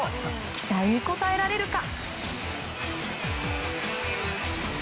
期待に応えられるか。